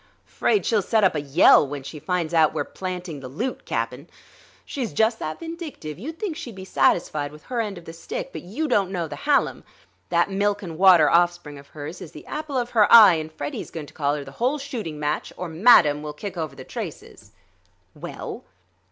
"'Fraid she'll set up a yell when she finds out we're planting the loot, Cap'n. She's just that vindictive; you'd think she'd be satisfied with her end of the stick, but you don't know the Hallam. That milk and water offspring of hers is the apple of her eye, and Freddie's going to collar the whole shooting match or madam will kick over the traces." "Well?"